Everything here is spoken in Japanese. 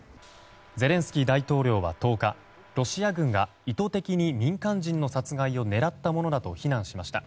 ゼレンスキー大統領は１０日ロシア軍が意図的に民間人の殺害を狙ったものだと非難しました。